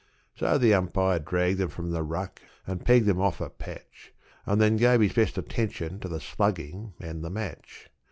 So the umpire dragged them from the ruck, and pegged them off a patch, And then gave his best attention to the slugging and the match.